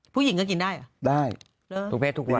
ผู้หญิงก็กินได้เหรอได้ทุกเพศทุกวัย